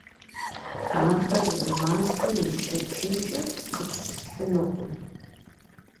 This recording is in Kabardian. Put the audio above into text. Ахэр зы мастэм ишэчынкӀэ къыпщысхьынукъым.